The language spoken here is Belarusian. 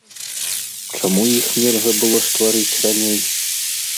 Чаму іх нельга было стварыць раней?